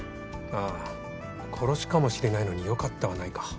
あ殺しかもしれないのによかったはないか。